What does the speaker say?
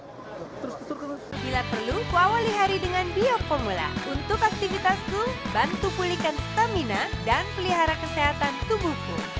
terus terus terus